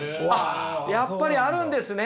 やっぱりあるんですね。